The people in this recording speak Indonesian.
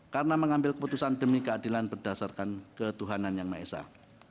karena mengambil keputusan demi keadilan berdasarkan ketuhanan yang maesah